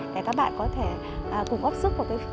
để các bạn có thể cùng góp sức một cái